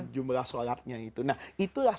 jumlah sholatnya itu nah itulah